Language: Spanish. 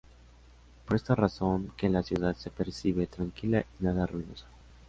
Es por esta razón que la ciudad se percibe tranquila y nada ruidosa.